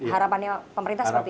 harapannya pemerintah seperti itu